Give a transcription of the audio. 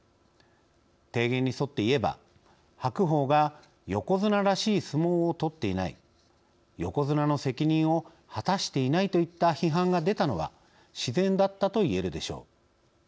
提言に沿って言えば白鵬が横綱らしい相撲をとっていない横綱の責任を果たしていないといった批判が出たのは自然だったと言えるでしょう。